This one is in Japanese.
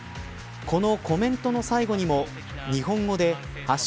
このコメントの最後にも日本語で＃